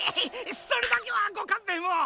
それだけはごかんべんを！